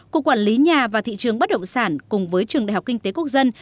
cục quản lý nhà và thị trường bất động sản cùng với trường đại học kinh tế quốc dân